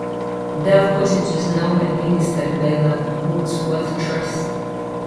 Dove Cottage is now administered by the Wordsworth Trust.